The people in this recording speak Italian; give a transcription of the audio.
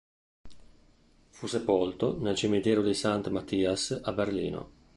Fu sepolto nel cimitero di St. Matthias a Berlino.